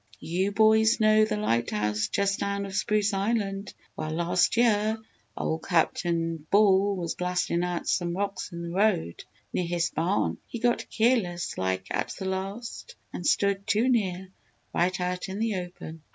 "You boys know the light house just down off Spruce Island? Well, last year, ol' Captain Ball was blastin' out some rocks in the road near his barn. He got keerless like at the last and stood too near right out in the open.